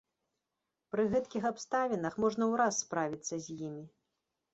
Пры гэткіх абставінах можна ўраз справіцца з імі.